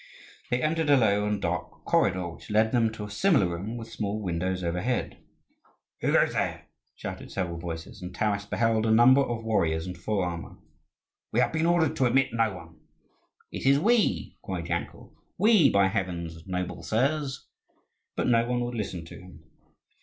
They entered a low and dark corridor, which led them to a similar room with small windows overhead. "Who goes there?" shouted several voices, and Taras beheld a number of warriors in full armour. "We have been ordered to admit no one." "It is we!" cried Yankel; "we, by heavens, noble sirs!" But no one would listen to him.